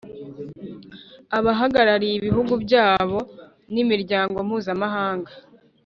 abahagarariye ibihugu byabo n’imiryango mpuzamahanga